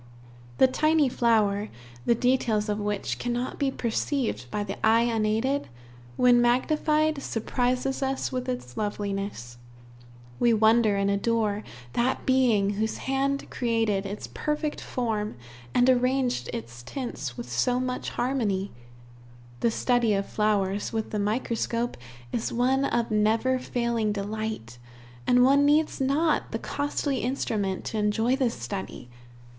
The tiny flower, the details of which cannot be perceived by the eye unaided, when magnified, surprises us with its loveliness. We wonder and adore that Being whose hand created its perfect form and arranged its tints with so much harmony. The study of flowers with the microscope is one of never failing delight, and one needs not the costly instrument to enjoy this study.